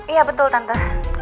iya betul tante